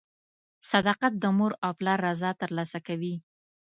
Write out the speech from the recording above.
• صداقت د مور او پلار رضا ترلاسه کوي.